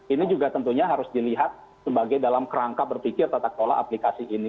ini juga tentunya harus dilihat sebagai dalam kerangka berpikir tata kelola aplikasi ini